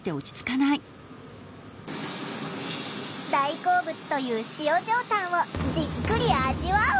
大好物という塩上タンをじっくり味わう。